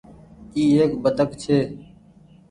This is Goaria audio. اي ايڪ بدڪ ڇي۔